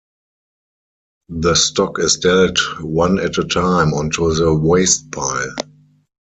The stock is dealt one at a time onto the wastepile.